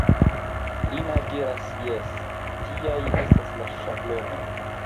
Lina diras, Jes, tiaj estas la ŝablonoj.